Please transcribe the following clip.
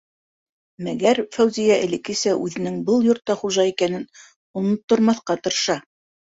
Мәгәр Фәүзиә элеккесә үҙенең был йортта хужа икәнен оноттормаҫҡа тырыша.